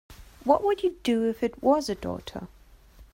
What would you do if it was a daughter?